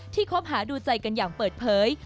คบหาดูใจกันอย่างเปิดเผย